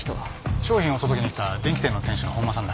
商品を届けに来た電気店の店主の本間さんだ。